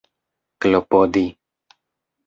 klopodi